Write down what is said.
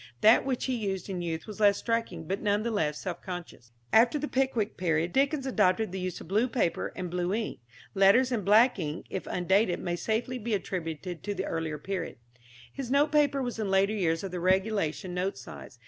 That which he used in youth was less striking, but none the less self conscious. After the Pickwick period Dickens adopted the use of blue paper and blue ink. Letters in black ink, if undated, may safely be attributed to the earlier period. His note paper was in later years of the regulation note size.